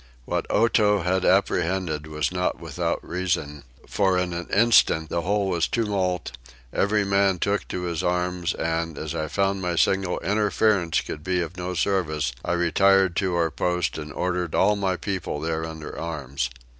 What Otow had apprehended was not without reason for in an instant the whole was tumult: every man took to his arms and, as I found my single interference could be of no service, I retired to our post and ordered all my people there under arms.